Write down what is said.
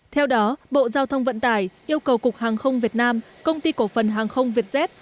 theo đó bộ giao thông vận tải yêu cầu cục hàng không việt nam công ty cổ phần hàng không vietjet